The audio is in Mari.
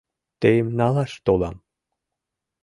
— Тыйым налаш толам.